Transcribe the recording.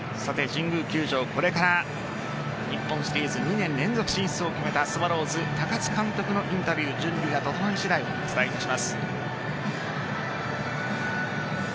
神宮球場、これから日本シリーズ２年連続進出を決めたスワローズ高津監督のインタビュー準備が整い次第お伝えいたします。